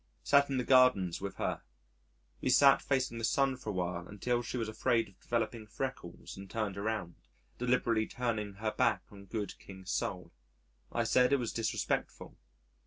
Sat in the gardens with her. We sat facing the sun for a while until she was afraid of developing freckles and turned around, deliberately turning her back on good King Sol.... I said it was disrespectful.